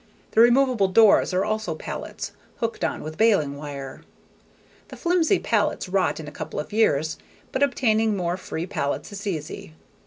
The removable doors are also pallets, hooked on with bailing wire. The flimsy pallets rot in a couple of years but obtaining more free pallets is easy.